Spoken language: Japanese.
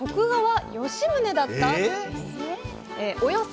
およそ